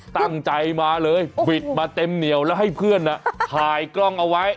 ตั้งใจมาเลยบิดมาเต็มเหนียวแล้วให้เพื่อนถ่ายกล้องเอาไว้